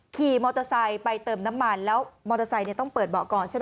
ขี่มอเตอร์ไซค์ไปเติมน้ำมันแล้วมอเตอร์ไซค์ต้องเปิดเบาะก่อนใช่ไหม